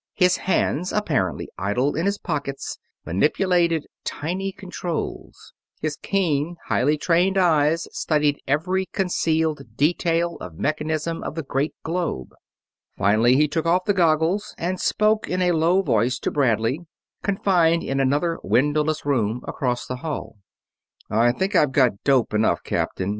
His hands, apparently idle in his pockets, manipulated tiny controls; his keen, highly trained eyes studied every concealed detail of mechanism of the great globe. Finally, he took off the goggles and spoke in a low voice to Bradley, confined in another windowless room across the hall. "I think I've got dope enough, Captain.